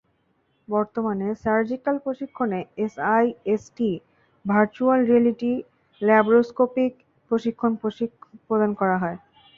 বর্তমানে সার্জিক্যাল প্রশিক্ষণে S I S T virtual reality laparoscopic প্রশিক্ষণ প্রশিক্ষণ প্রদান করা হয়।